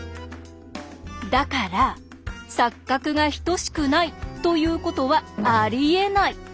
だから錯角が等しくないということはありえない！